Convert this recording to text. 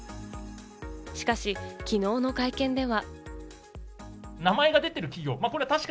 しかし昨日の会見では。